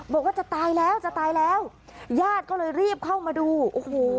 บอกว่าจะตายแล้วจะตายแล้วญาติก็เลยรีบเข้ามาดูโอ้โห